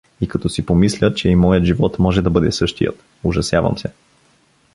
И като си помисля, че и моят живот може да бъде същият, ужасявам се.